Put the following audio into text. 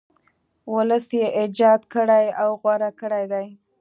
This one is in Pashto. ولس یې ایجاد کړی او غوره کړی دی.